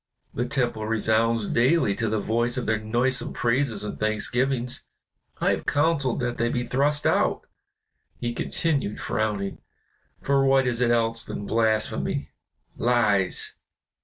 The temple resounds daily to the voice of their noisome praises and thanksgivings. I have counseled that they be thrust out," he continued frowning, "for what is it else than blasphemy lies.